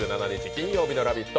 金曜日の「ラヴィット！」。